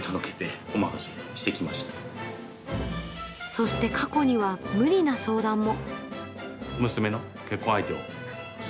そして過去には無理な相談も。